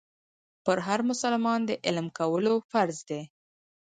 پر هر مسلمان د علم کول فرض دي.